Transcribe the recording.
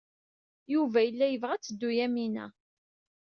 Yuba yella yebɣa ad teddu Yamina.